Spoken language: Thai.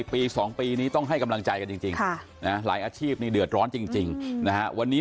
ปี๒ปีนี้ต้องให้กำลังใจกันจริงหลายอาชีพนี่เดือดร้อนจริงนะฮะวันนี้